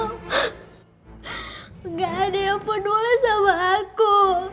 tidak ada yang peduli sama aku